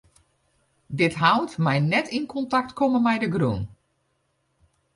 Dit hout mei net yn kontakt komme mei de grûn.